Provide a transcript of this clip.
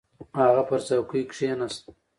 هغه پر څوکۍ کښېناست.